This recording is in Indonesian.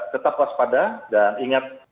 tetap waspada dan ingat